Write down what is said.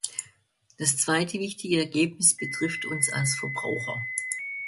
Das zweite wichtige Ergebnis betrifft uns als Verbraucher.